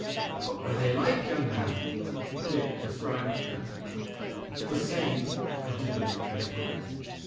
"What were they like, young man?" Dick described them. "The same," continued the trader.